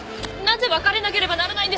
なぜ別れなければならないんですか？